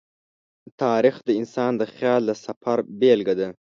تاریخ د انسان د خیال د سفر بېلګه ده.